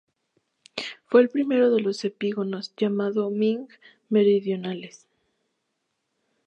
Fue el primero de los epígonos llamados Ming Meridionales.